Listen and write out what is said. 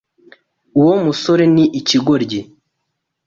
Uwo musore ni ikigoryi